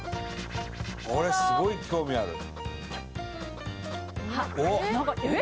これすごい興味あるおっえっ